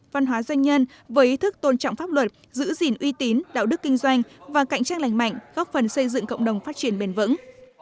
văn hóa doanh nhân với ý thức tôn trọng pháp luật giữ gìn uy tín đạo đức kinh doanh và cạnh tranh lành mạnh góp phần xây dựng cộng đồng phát triển bền vững